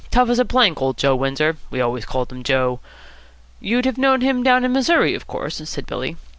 Tough as a plank, old Joe Windsor. We always called him Joe." "You'd have known him down in Missouri, of course?" said Billy.